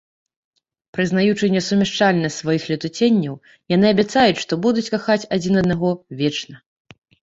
Прызнаючы несумяшчальнасць сваіх летуценняў, яны абяцаюць, што будуць кахаць адзін аднаго вечна.